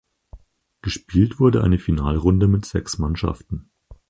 Gespielt wurde eine Finalrunde mit sechs Mannschaften.